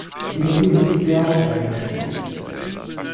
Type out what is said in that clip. Die Musik ist sehr schnell gespielt.